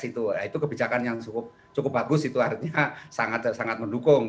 itu kebijakan yang cukup bagus itu artinya sangat mendukung